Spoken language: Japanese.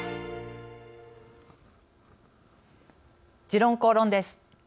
「時論公論」です。